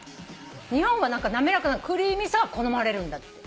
日本は滑らかなクリーミーさが好まれるんだって。